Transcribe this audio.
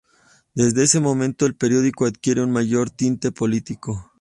Desde ese momento, el periódico adquiere un mayor tinte político.